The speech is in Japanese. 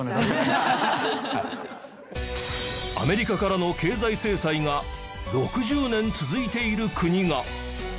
アメリカからの経済制裁が６０年続いている国が。